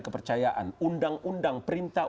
kepercayaan undang undang perintah